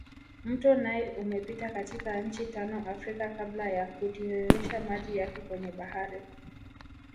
Mto nile umepita katika nchi tano Africa kabla ya kutiririsha maji yake kwenye bahari